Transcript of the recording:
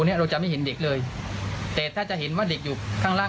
เนี้ยเราจะไม่เห็นเด็กเลยแต่ถ้าจะเห็นว่าเด็กอยู่ข้างล่าง